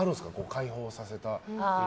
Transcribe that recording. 解放させたこと。